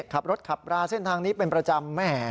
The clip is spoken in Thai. ขับรถขับราเส้นทางนี้เป็นประจำแหม